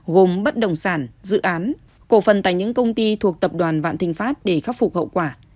gồm bất đồng sản dự án cổ phần tại những công ty thuộc tập đoàn vạn thịnh pháp để khắc phục hậu quả